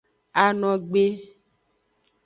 Anogbe.